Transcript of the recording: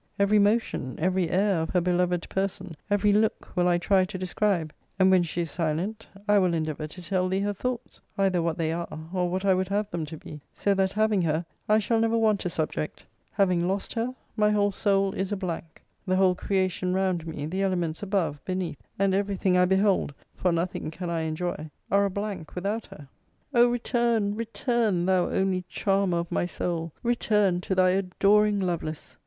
Every motion, every air of her beloved person, every look, will I try to describe; and when she is silent, I will endeavour to tell thee her thoughts, either what they are, or what I would have them to be so that, having her, I shall never want a subject. Having lost her, my whole soul is a blank: the whole creation round me, the elements above, beneath, and every thing I behold, (for nothing can I enjoy,) are a blank without her. Oh! return, return, thou only charmer of my soul! return to thy adoring Lovelace!